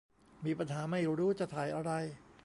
มีปัญหาไม่รู้จะถ่ายอะไร